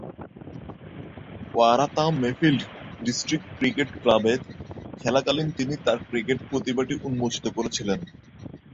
Waratah-Mayfield district cricket ক্লাবে খেলাকালীন তিনি তার ক্রিকেট প্রতিভা উন্মোচিত করেছিলেন।